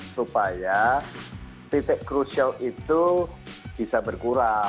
supaya titik krusial itu bisa berkurang